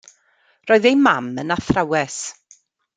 Roedd ei mam yn athrawes.